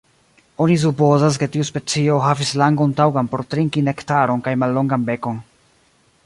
Oni supozas, ke tiu specio havis langon taŭgan por trinki Nektaron kaj mallongan bekon.